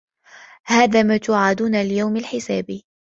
هذا ما توعَدونَ لِيَومِ الحِسابِ